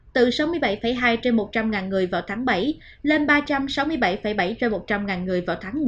từ sáu mươi bảy hai trên một trăm linh người vào tháng bảy lên ba trăm sáu mươi bảy bảy trên một trăm linh người